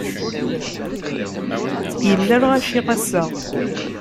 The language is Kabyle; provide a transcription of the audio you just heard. Yella lɣaci ass-a.